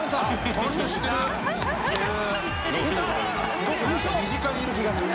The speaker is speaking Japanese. すごく何か身近にいる気がする。